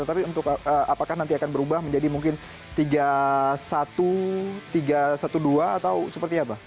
tapi untuk apakah nanti akan berubah menjadi mungkin tiga satu tiga ratus dua belas atau seperti apa